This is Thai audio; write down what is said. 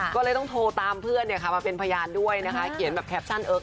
ก็เลยต้องโทรตามเพื่อนเนี่ยค่ะมาเป็นพยานด้วยนะคะ